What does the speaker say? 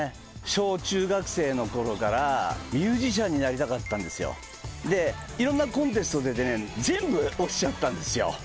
小中学生のころからミュージシャンになりたかったんですよ。でいろんなコンテスト出てね全部落ちちゃったんですよ。